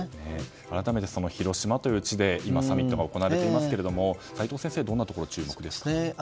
改めて広島という地で今、サミットが行われていますが齋藤先生どんなところ注目ですか？